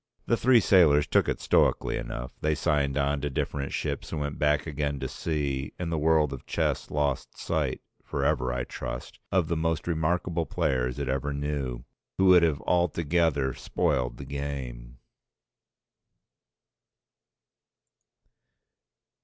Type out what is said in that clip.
The three sailors took it stoically enough, they signed on to different ships and went back again to the sea, and the world of chess lost sight, for ever I trust, of the most remarkable players it ever knew, who would have altogether spoiled the game.